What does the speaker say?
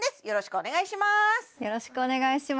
よろしくお願いします